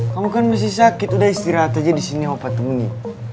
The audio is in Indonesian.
kamu kan masih sakit udah istirahat aja disini opa temuin